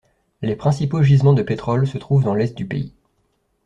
Les principaux gisements de pétrole se trouvent dans l'Est du pays.